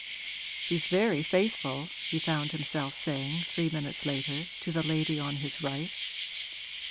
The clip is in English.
'She's very faithful,' he found himself saying three minutes later to the lady on his right.